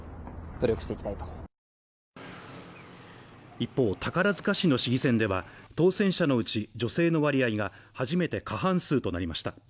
一方宝塚市の市議選では、当選者のうち女性の割合が初めて過半数となりました。